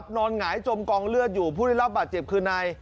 หงายจมกองเลือดอยู่ผู้ได้รับบาดเจ็บคือนาย